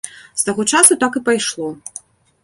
З таго часу так і пайшло.